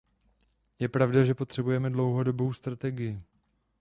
Je pravda, že potřebujeme dlouhodobou strategii.